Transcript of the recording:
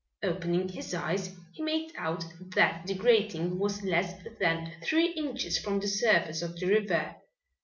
Opening his eyes he made out that the grating was less than three inches from the surface of the river.